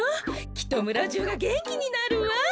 きっとむらじゅうがげんきになるわ。